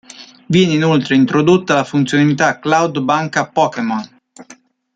Viene inoltre introdotta la funzionalità cloud Banca Pokémon.